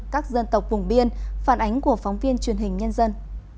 các dân tộc vùng biên phản ánh của phóng viên truyền hình nhân dân